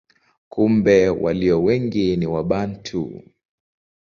Kumbe walio wengi ni Wabantu.